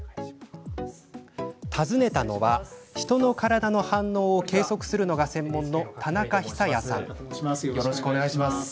訪ねたのは人の体の反応を計測するのが専門の田中久弥さん。